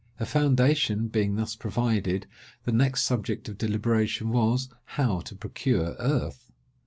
A foundation being thus provided, the next subject of deliberation was, how to procure earth.